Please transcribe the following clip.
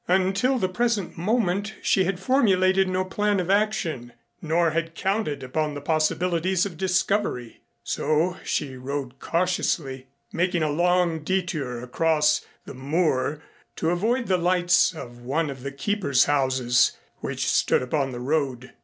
Until the present moment she had formulated no plan of action, nor had counted upon the possibilities of discovery, so she rode cautiously, making a long detour across the moor to avoid the lights of one of the keepers' houses which stood upon the road.